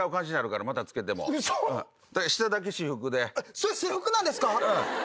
それ私服なんですか？